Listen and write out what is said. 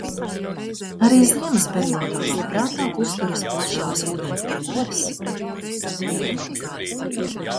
Arī ziemas periodā labprātāk uzturas plašās ūdenstilpēs.